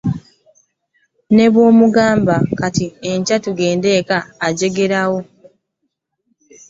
Ne bwe mmugamba nti enkya tugende eka ajjirawo.